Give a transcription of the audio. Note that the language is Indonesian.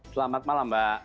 selamat malam mbak